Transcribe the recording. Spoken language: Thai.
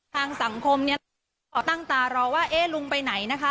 ทางสังคมเนี่ยพอตั้งตารอว่าเอ๊ะลุงไปไหนนะคะ